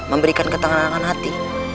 memberikan ketenangan hati